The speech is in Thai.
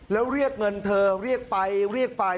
แล้วเรียกเงินเธอเรียกไปเรียกไป